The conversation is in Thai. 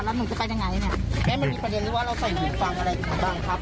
แล้วหนูจะไปยังไงเนี่ยแม่มันมีประเด็นหรือว่าเราใส่หูฟังอะไรมาบ้างครับ